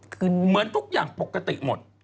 เหมือนทุกอย่างปกติหมด